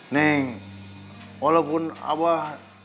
neng walaupun abah